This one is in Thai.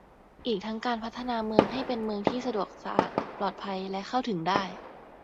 อีกทั้งการพัฒนาเมืองให้เป็นเมืองที่สะดวก สะอาด ปลอดภัย และ เข้าถึงได้